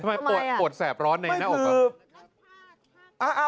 ทำไมปวดแสบร้อนในหน้าออกมา